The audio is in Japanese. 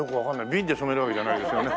瓶で染めるわけじゃないですよね？